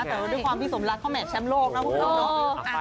แต่ด้วยความที่สมรักเขาแห่แชมป์โลกนะคุณผู้ชมเนาะ